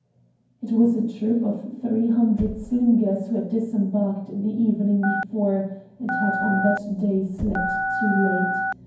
It was a troop of three hundred slingers who had disembarked the evening before, and had on that day slept too late.